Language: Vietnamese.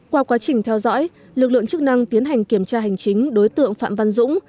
qua quá trình theo dõi lực lượng chức năng tiến hành kiểm tra hành chính đối tượng phạm văn dũng